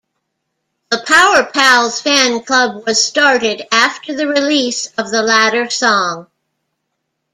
The "Power Pals" fan club was started after the release of the latter song.